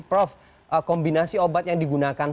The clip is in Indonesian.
prof kombinasi obat yang digunakan